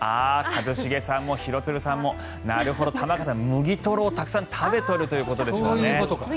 一茂さんも廣津留さんもなるほど、玉川さん、麦とろをたくさん食べてるということですね。